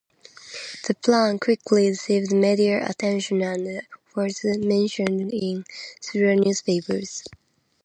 The plan quickly received media attention and was mentioned in several newspapers.